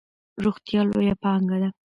روغتیا لویه پانګه ده.